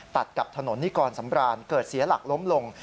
ตัดกลับถนนนี่ก่อนสำบรรณเกิดเสียหลักล้มลง